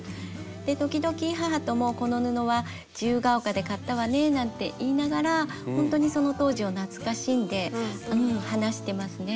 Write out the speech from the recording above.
で時々母とも「この布は自由が丘で買ったわね」なんて言いながらほんとにその当時を懐かしんで話してますね。